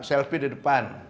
silpi di depan